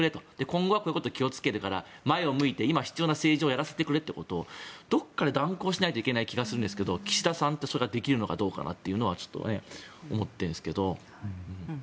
今後は気をつけるから前を向いて今、必要な政治をやらせてくれってことをどこかで断行しなければいけないと思うんですが岸田さんって、それができるのかどうかってことはちょっと思ってるんですけど。